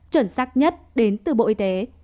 chuẩn sắc nhất đến từ bộ y tế